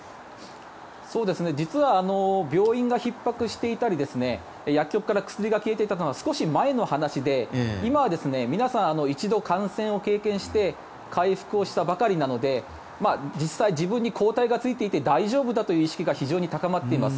実は病院がひっ迫していたり薬局から薬が消えていたのは少し前の話で今は皆さん一度、感染を経験して回復をしたばかりなので実際、自分に抗体がついていて大丈夫だという意識が非常に高まっています。